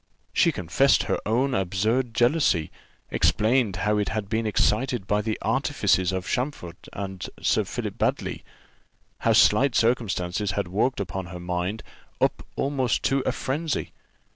She confessed her own absurd jealousy, explained how it had been excited by the artifices of Champfort and Sir Philip Baddely, how slight circumstances had worked her mind up almost to frenzy.